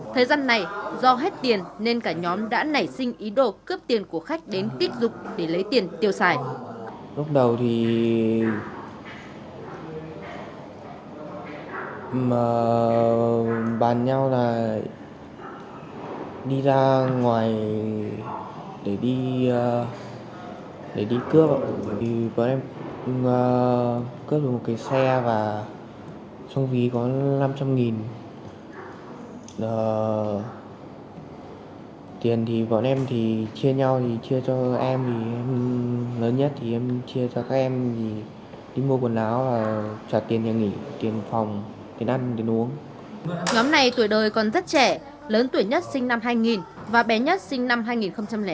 thời gian này do hết tiền nên cả nhóm đã nể sinh ý đồ cướp tiền của khách đến kích dục để lấy tiền tiêu xài